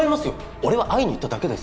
俺は会いに行っただけです